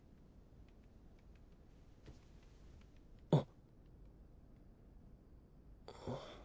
あっ。